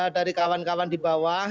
dari kawan kawan di bawah